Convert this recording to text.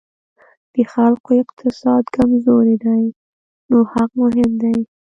د خلکو اقتصاد کمزوری دی نو حق مهم دی.